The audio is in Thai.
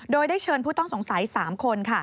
โดยได้เชิญผู้ต้องสงสัย๓คน